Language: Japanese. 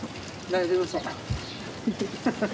大丈夫そう。